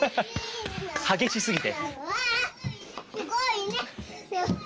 激しすぎて。